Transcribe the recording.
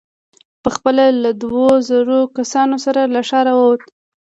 په خپله له دوو زرو کسانو سره له ښاره ووت.